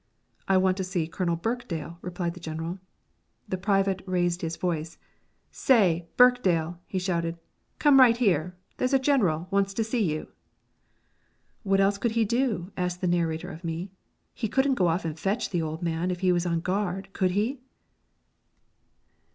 "I want to see Colonel Birkdale," replied the General. The private raised his voice. "Say, Birkdale," he shouted, "come right here, there's a general wants to see you!" "What else could he do?" asked the narrator of me. "He couldn't go off and fetch the old man if he was on guard, could he?"